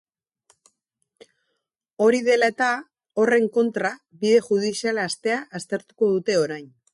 Hori dela eta, horren kontra bide judiziala hastea aztertuko dute orain.